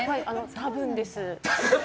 多分です。